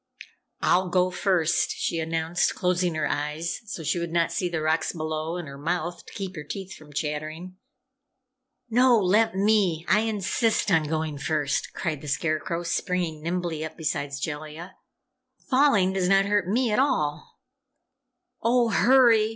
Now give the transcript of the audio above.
"I'll go first," she announced, closing her eyes so she would not see the rocks below, and her mouth, to keep her teeth from chattering. "No! Let me! I insist on going first," cried the Scarecrow, springing nimbly up beside Jellia. "Falling does not hurt me at all." "Oh, hurry!